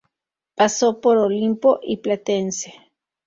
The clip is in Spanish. Pasó por Olimpo y Platense.